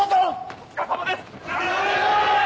お疲れさまです！